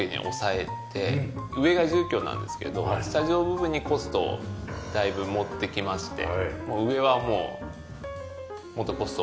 上が住居なんですけどスタジオ部分にコストをだいぶ持ってきまして上はもうもっとコストを抑えて。